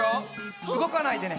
うごかないでね。